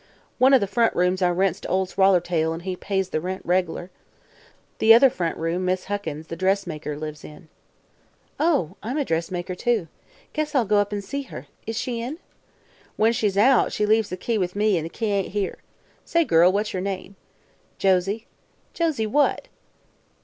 One o' the front rooms I rents to Ol' Swallertail, an' he pays the rent reg'lar. The other front room Miss Huckins, the dressmaker, lives in." "Oh. I'm a dressmaker, too. Guess I'll go up and see her. Is she in?" "When she's out, she leaves the key with me, an' the key ain't here. Say, girl, what's yer name?" "Josie." "Josie what?"